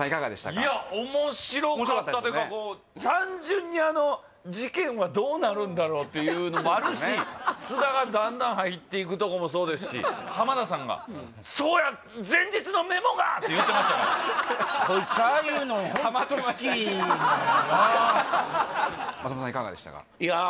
いやおもしろかったっていうか単純にあの事件はどうなるんだろうっていうのもあるし津田がだんだん入っていくとこもそうですし浜田さんがって言うてましたからこいつああいうのホント好きなんやなあ松本さんいかがでしたか？